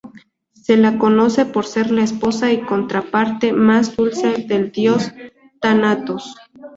Se la conoce por ser la esposa y contraparte más dulce del dios Tánatos.